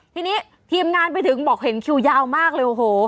ทีนี้ทีมงานไปถึงบอกเห็นคิวยาวมากเลยโอ้โห